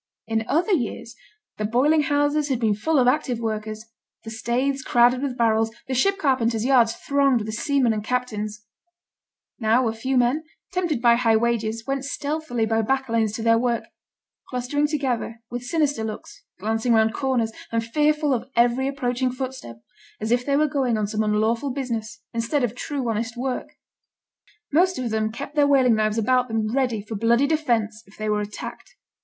In other years the boiling houses had been full of active workers, the staithes crowded with barrels, the ship carpenters' yards thronged with seamen and captains; now a few men, tempted by high wages, went stealthily by back lanes to their work, clustering together, with sinister looks, glancing round corners, and fearful of every approaching footstep, as if they were going on some unlawful business, instead of true honest work. Most of them kept their whaling knives about them ready for bloody defence if they were attacked.